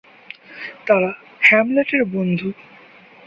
তারা হ্যামলেটের বন্ধু।